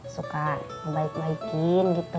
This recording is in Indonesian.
suka ngebaik baikin gitu